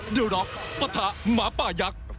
เดี๋ยวรอปะทะหมาป่ายักษ์